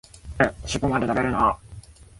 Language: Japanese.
え、しっぽまで食べるの？